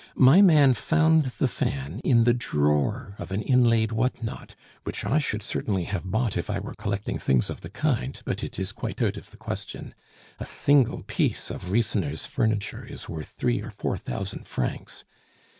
My man found the fan in the drawer of an inlaid what not, which I should certainly have bought if I were collecting things of the kind, but it is quite out of the question a single piece of Riesener's furniture is worth three or four thousand francs!